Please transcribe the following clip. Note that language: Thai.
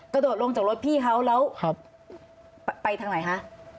กระโดดลงจากรถพี่เขาแล้วไปทางไหนคะ